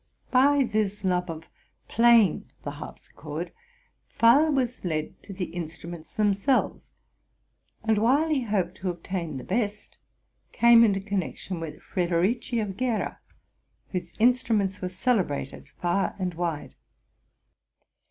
By this love of playing the harpsichord, Pfeil was led to the instruments themselves, and, while he hoped to obtain the best, came into connection with Frederici of Gera, whose instruments were celebrated far and wide.